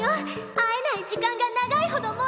会えない時間が長いほど燃え上がる！